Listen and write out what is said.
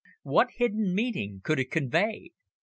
What hidden meaning could it convey?